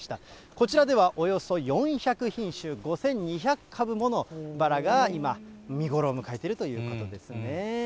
こちらでは、およそ４００品種、５２００株ものバラが今、見頃を迎えているということですね。